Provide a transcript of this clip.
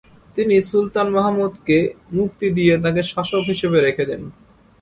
তিনি সুলতান মাহমুদকে মুক্তি দিয়ে তাঁকে শাসক হিসেবে রেখে দেন।